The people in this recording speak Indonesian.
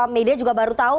media juga baru tahu